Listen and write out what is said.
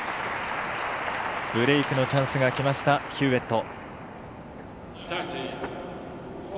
ブレークのチャンスがきましたヒューウェット。